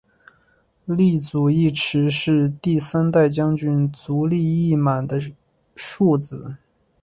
足利义持是第三代将军足利义满的庶子。